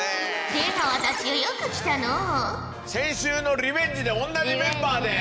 出川たちよよく来たのう。